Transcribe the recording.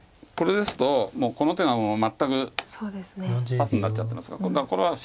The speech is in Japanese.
これですともうこの手が全くパスになっちゃってますから。